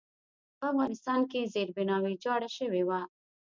په افغانستان کې زېربنا ویجاړه شوې وه.